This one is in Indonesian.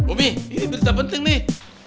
ubi ini berita penting nih